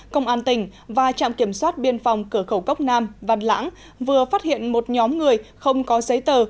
công an tỉnh và trạm kiểm soát biên phòng cửa khẩu cốc nam văn lãng vừa phát hiện một nhóm người không có giấy tờ